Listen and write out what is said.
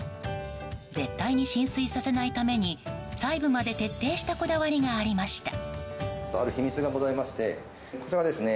絶対に浸水させないために細部まで徹底したこだわりがありました。